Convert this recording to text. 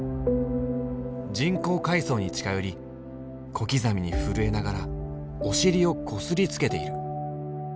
人工海藻に近寄り小刻みに震えながらお尻をこすりつけている。